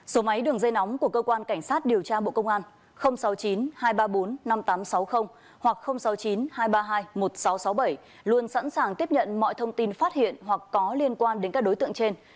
số máy đường dây nóng của cơ quan cảnh sát điều tra bộ công an sáu mươi chín hai trăm ba mươi bốn năm nghìn tám trăm sáu mươi hoặc sáu mươi chín hai trăm ba mươi hai một nghìn sáu trăm sáu mươi bảy luôn sẵn sàng tiếp nhận mọi thông tin phát hiện hoặc có liên quan đến các đối tượng trên